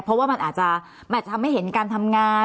เพราะว่ามันอาจจะทำให้เห็นการทำงาน